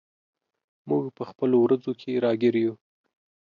موږ په خپلو ورځو کې راګیر یو.